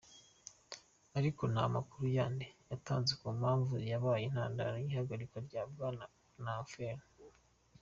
Ariko nta makuru yandi yatanzwe ku mpamvu zabaye intandaro y'ihagarikwa rya Bwana Onnoghen.